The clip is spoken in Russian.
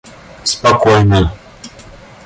спокойно